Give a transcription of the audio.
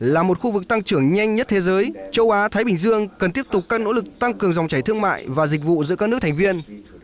là một khu vực tăng trưởng nhanh nhất thế giới châu á thái bình dương cần tiếp tục các nỗ lực tăng cường dòng chảy thương mại và dịch vụ giữa các nước thành viên